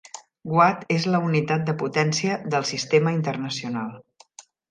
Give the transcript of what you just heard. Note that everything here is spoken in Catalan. Watt és la unitat de potència del Sistema Internacional.